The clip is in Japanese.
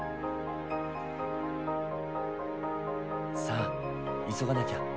さあ急がなきゃ。